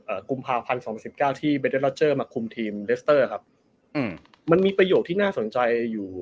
อ่ากุมภาพันธ์๒๐๑๙ที่เบดเลอร์เจอร์มาคุมทีมเลสเตอร์ครับอืมมันมีประโยชน์ที่น่าสนใจอยู่